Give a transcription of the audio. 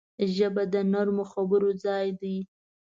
ژبه د نرمو خبرو ځای ده